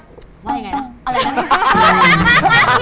ว่าอย่างไรนะ